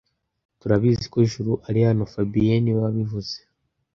Turabizi ko Juru ari hano fabien niwe wabivuze